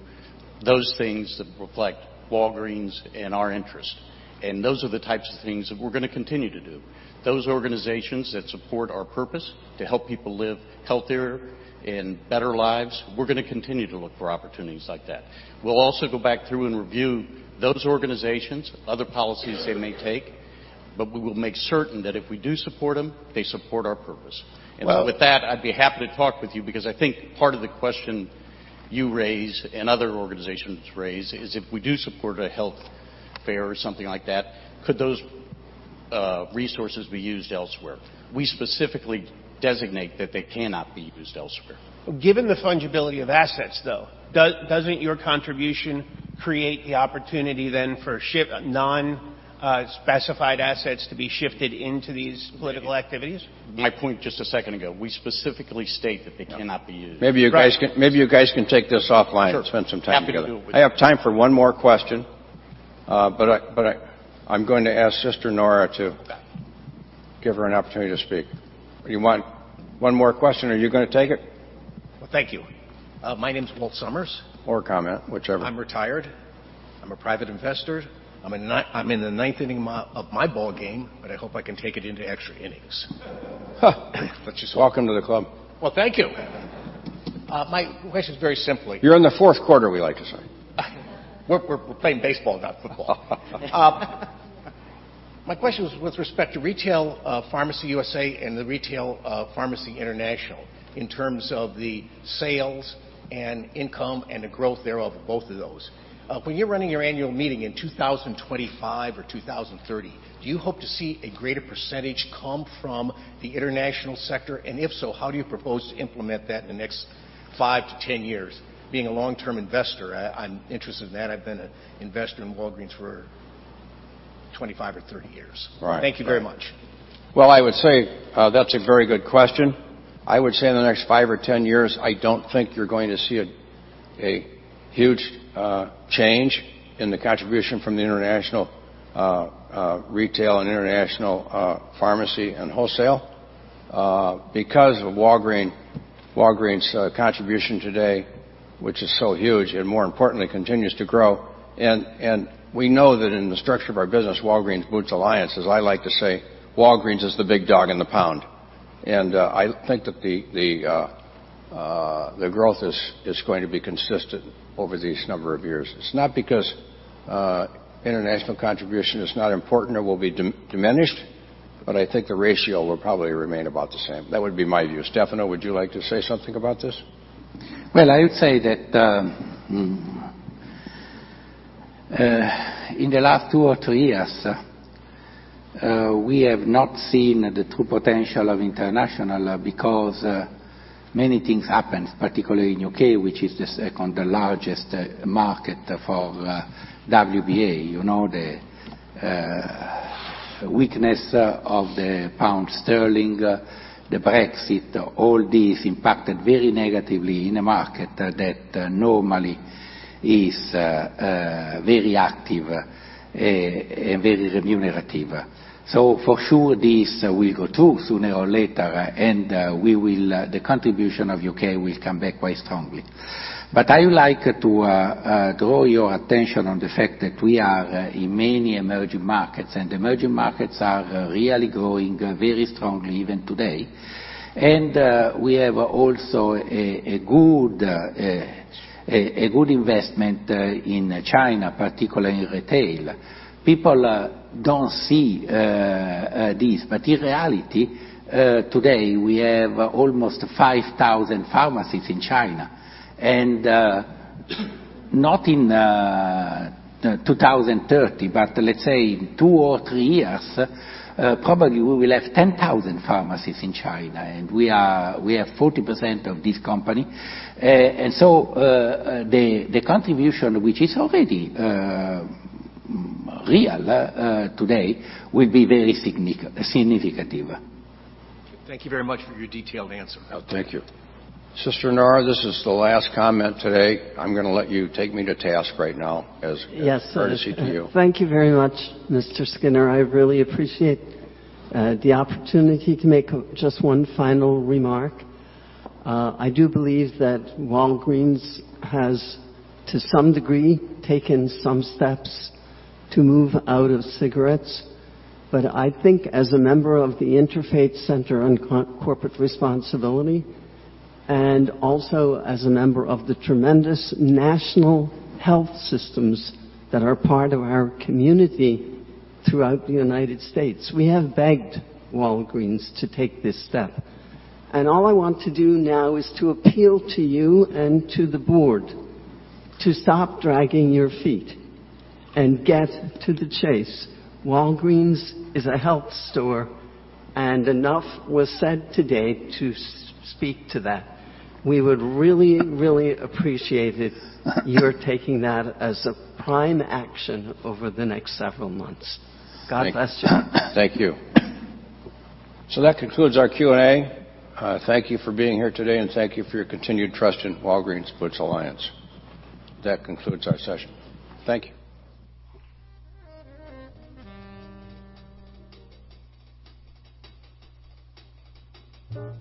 those things that reflect Walgreens and our interests. Those are the types of things that we're going to continue to do. Those organizations that support our purpose to help people live healthier and better lives, we're going to continue to look for opportunities like that. We'll also go back through and review those organizations, other policies they may take, but we will make certain that if we do support them, they support our purpose. Well- With that, I'd be happy to talk with you because I think part of the question you raise and other organizations raise is if we do support a health fair or something like that, could those resources be used elsewhere? We specifically designate that they cannot be used elsewhere. Given the fungibility of assets, though, doesn't your contribution create the opportunity then for non-specified assets to be shifted into these political activities? My point just a second ago, we specifically state that they cannot be used. Maybe you guys can take this offline. Sure Spend some time together. Happy to do it. I have time for one more question, but I'm going to ask Sister Nora to give her an opportunity to speak. You want one more question? Are you going to take it? Thank you. My name's Walt Summers. Comment, whichever. I'm retired. I'm a private investor. I'm in the ninth inning of my ball game, but I hope I can take it into extra innings. Ha. Welcome to the club. Well, thank you. You're in the fourth quarter, we like to say. We're playing baseball, not football. My question was with respect to Retail Pharmacy USA and the Retail Pharmacy International in terms of the sales and income and the growth thereof, both of those. When you're running your annual meeting in 2025 or 2030, do you hope to see a greater % come from the international sector? If so, how do you propose to implement that in the next 5-10 years? Being a long-term investor, I'm interested in that. I've been an investor in Walgreens for 25 or 30 years. Right. Thank you very much. Well, I would say that's a very good question. I would say in the next five or 10 years, I don't think you're going to see a huge change in the contribution from the international retail and international pharmacy and wholesale because of Walgreens' contribution today, which is so huge, and more importantly, continues to grow. We know that in the structure of our business, Walgreens Boots Alliance, as I like to say, Walgreens is the big dog in the pound. I think that the growth is going to be consistent over these number of years. It's not because international contribution is not important or will be diminished, but I think the ratio will probably remain about the same. That would be my view. Stefano, would you like to say something about this? I would say that in the last two or three years, we have not seen the true potential of international because many things happened, particularly in the U.K., which is the second-largest market for WBA. You know, the weakness of the pound sterling, the Brexit, all these impacted very negatively in a market that normally is very active and very remunerative. For sure, this will go too sooner or later, and the contribution of U.K. will come back quite strongly. I would like to draw your attention on the fact that we are in many emerging markets, and emerging markets are really growing very strongly even today. We have also a good investment in China, particularly in retail. People don't see this, but in reality, today we have almost 5,000 pharmacies in China. Not in 2030, but let's say in two or three years, probably we will have 10,000 pharmacies in China, and we have 40% of this company. The contribution, which is already real today, will be very significant. Thank you very much for your detailed answer. Thank you. Sister Nora, this is the last comment today. I'm going to let you take me to task right now as- Yes a courtesy to you. Thank you very much, Mr. Skinner. I really appreciate the opportunity to make just one final remark. I do believe that Walgreens has, to some degree, taken some steps to move out of cigarettes. I think as a member of the Interfaith Center on Corporate Responsibility, and also as a member of the tremendous national health systems that are part of our community throughout the United States, we have begged Walgreens to take this step. All I want to do now is to appeal to you and to the board to stop dragging your feet and get to the chase. Walgreens is a health store, and enough was said today to speak to that. We would really appreciate if you're taking that as a prime action over the next several months. God bless you. Thank you. That concludes our Q&A. Thank you for being here today, and thank you for your continued trust in Walgreens Boots Alliance. That concludes our session. Thank you.